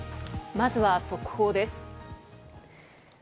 まずは速報です。